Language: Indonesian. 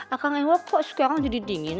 akan ngewok kok sekarang jadi dingin